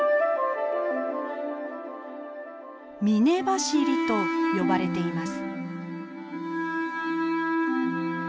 「峰走り」と呼ばれています。